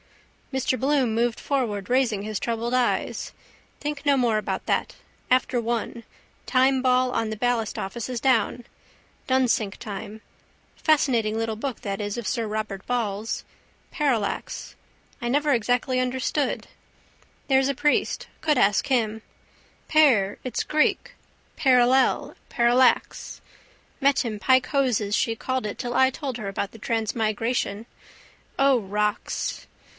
Mr Bloom moved forward, raising his troubled eyes. Think no more about that. After one. Timeball on the ballastoffice is down. Dunsink time. Fascinating little book that is of sir Robert Ball's. Parallax. I never exactly understood. There's a priest. Could ask him. Par it's Greek: parallel, parallax. Met him pike hoses she called it till I told her about the transmigration. O rocks!